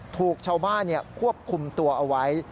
ถูกชาวบ้านควบคุมตัวเอาไว้